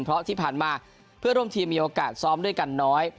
เพราะที่ผ่านมาเพื่อนร่วมทีมมีโอกาสซ้อมด้วยกันน้อย